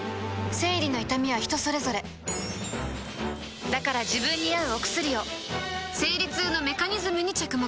生理の痛みは人それぞれだから自分に合うお薬を生理痛のメカニズムに着目